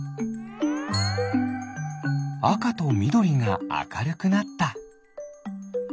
あかとみどりがあかるくなった。